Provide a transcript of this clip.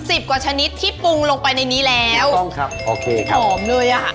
สิบกว่าชนิดที่ปรุงลงไปในนี้แล้วถูกต้องครับโอเคครับหอมเลยอ่ะ